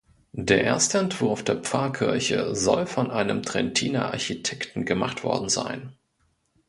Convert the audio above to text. Der erste Entwurf der Pfarrkirche soll von einem Trentiner Architekten gemacht worden sein.